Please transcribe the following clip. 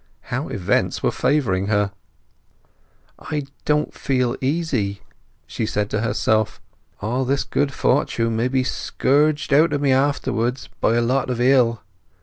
How events were favouring her! "I don't quite feel easy," she said to herself. "All this good fortune may be scourged out of me afterwards by a lot of ill.